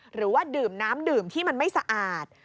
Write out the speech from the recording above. หรือว่าดื่มน้ำดื่มที่มันไม่สะอาด